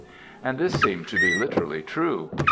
And this seemed to be literally true.